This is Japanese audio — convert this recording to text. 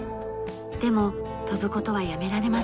でも飛ぶ事はやめられません。